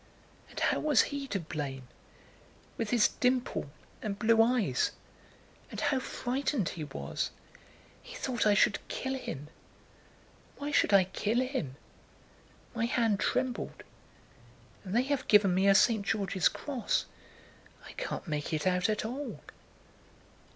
And how was he to blame, with his dimple and blue eyes? And how frightened he was! He thought that I should kill him. Why should I kill him? My hand trembled. And they have given me a St. George's Cross.... I can't make it out at all."